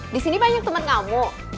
disini banyak temen kamu